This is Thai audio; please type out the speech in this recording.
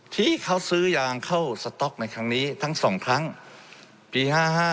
ที่เขาซื้อยางเข้าสต๊อกในครั้งนี้ทั้ง๒ครั้งปี๕๕